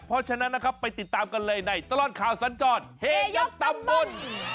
เพราะฉะนั้นนะครับไปติดตามกันเลยในตลอดข่าวสัญจรเฮยักษ์ตำบล